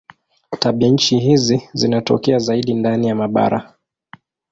Tabianchi hizi zinatokea zaidi ndani ya mabara.